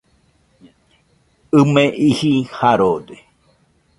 ɨ me iji Jarode